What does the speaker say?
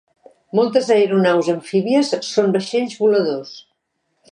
Moltes aeronaus amfíbies són vaixells voladors.